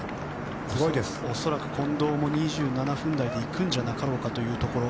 恐らく近藤も２７分台で行くんじゃなかろうかというところ。